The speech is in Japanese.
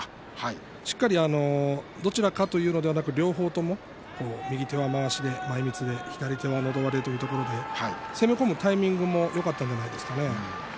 しっかり、どちらかというのではなく両方とも右手はまわしで、前みつで左手はのど輪でということで攻め込むタイミングもよかったんじゃないでしょうかね。